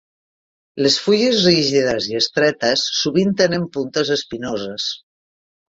Les fulles rígides i estretes sovint tenen puntes espinoses.